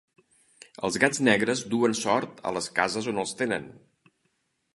Els gats negres duen sort a les cases on els tenen.